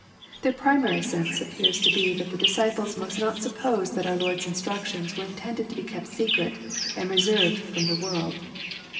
Their primary sense appears to be that the disciples must not suppose that our Lord's instructions were intended to be kept secret, and reserved from the world.